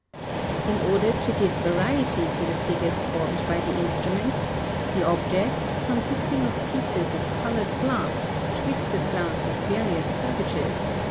In order to give variety to the figures formed by the instrument, the objects, consisting of pieces of coloured glass, twisted glass 'of various curvatures, &c.